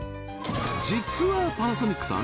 実はパナソニックさん